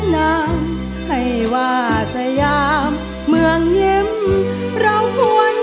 สมาธิพร้อมเพลงที่๗เพลงมาครับ